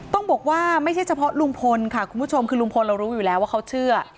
ต้องบอกว่าไม่ใช่เฉพาะลุงพลค่ะคุณผู้ชมคือลุงพลเรารู้อยู่แล้วว่าเขาเชื่อ